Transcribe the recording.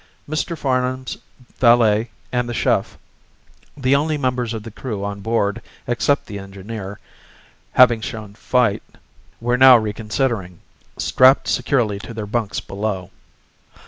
Mr. Farnam's valet and the chef, the only members of the crew on board except the engineer, having shown fight, were now reconsidering, strapped securely to their bunks below.